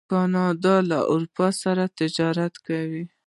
کاناډا له اروپا سره تجارت کوي.